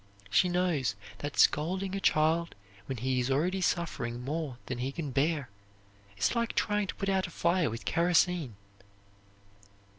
She knows that scolding a child when he is already suffering more than he can bear is like trying to put out a fire with kerosene.